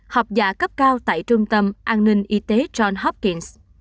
học giả cấp cao tại trung tâm an ninh y tế john hopkings